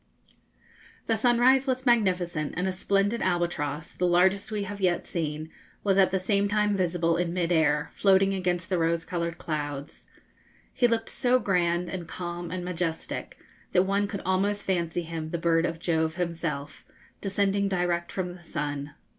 The sunrise was magnificent, and a splendid albatross, the largest we have yet seen, was at the same time visible in mid air, floating against the rose coloured clouds. He looked so grand, and calm, and majestic, that one could almost fancy him the bird of Jove himself, descending direct from the sun.